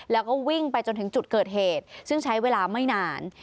แล้วก็วิ่งไปจนถึงจุดเกิดเหตุซึ่งใช้เวลาไม่นาน